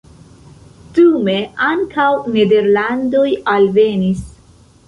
Dume ankaŭ nederlandanoj alvenis.